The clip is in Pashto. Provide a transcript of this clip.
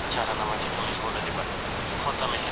د بيلتون اسباب له بل سره توپير لري.